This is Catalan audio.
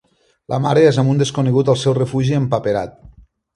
La mare és amb un desconegut al seu refugi empaperat.